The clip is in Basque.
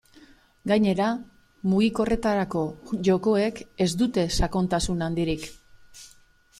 Gainera, mugikorretarako jokoek ez dute sakontasun handirik.